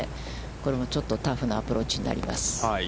これもちょっとタフなアプローチになります。